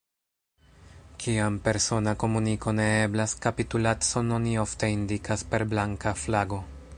Kiam persona komuniko ne eblas, kapitulacon oni ofte indikas per blanka flago.